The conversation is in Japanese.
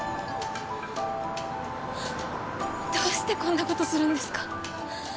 どうしてこんなことするんですか？